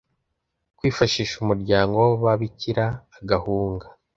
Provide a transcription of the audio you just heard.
kwifashisha umuryango w ababikira agahunga